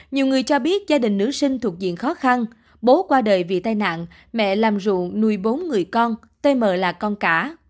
nhiều người cho biết gia đình nữ sinh thuộc diện khó khăn bố qua đời vì tai nạn mẹ làm ruộng nuôi bốn người con tm là con cả